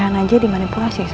pernikahan aja dimanipulasi